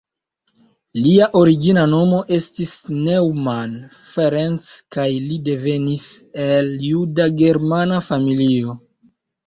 Lia origina nomo estis Neumann Ferenc kaj li devenis el juda-germana familio.